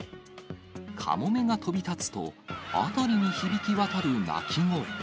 カモメが飛び立つと、辺りに響き渡る鳴き声。